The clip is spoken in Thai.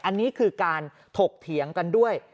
อันนี้คือการถกเถียงกันด้วย